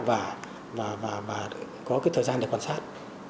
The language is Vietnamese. và có cái thời gian để quan sát